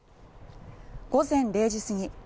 午前０時過ぎ